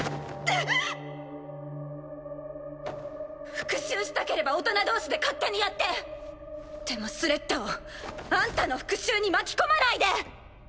復讐したければ大人同士で勝手にやって！でもスレッタをあんたの復讐に巻き込まないで！